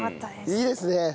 いいですね。